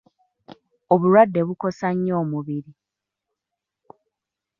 Obulwadde bukosa nnyo omubiri.